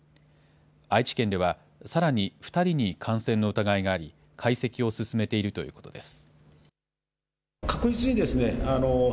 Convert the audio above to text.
愛知県では、さらに２人に感染の疑いがあり、解析を進めているということです。